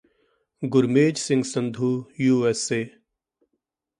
Gurmej Singh Sandhu U S A